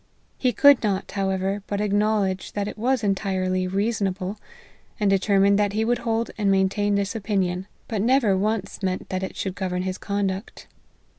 He could not, however, but acknowledge that it was entirely reasonable, and determined that he would hold and maintain this opinion, but never once meant that it should 8 LIFE OF HENRY MARTYN. govern his conduct.